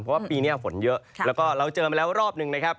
เพราะว่าปีนี้ฝนเยอะแล้วก็เราเจอมาแล้วรอบหนึ่งนะครับ